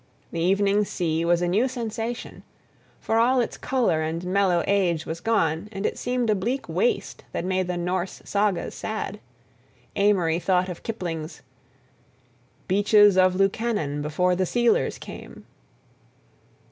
The evening sea was a new sensation, for all its color and mellow age was gone, and it seemed the bleak waste that made the Norse sagas sad; Amory thought of Kipling's "Beaches of Lukanon before the sealers came."